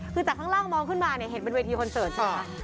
คือจากข้างล่างมองขึ้นมาเนี่ยเห็นเป็นเวทีคอนเสิร์ตใช่ไหมคะ